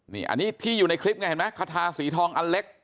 นี่อันนี้ที่อยู่ในคลิปไงเห็นไหมคาทาสีทองอันเล็ก